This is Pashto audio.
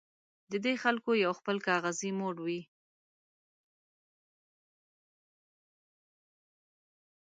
د دې خلکو یو خپل کاغذي موډ وي.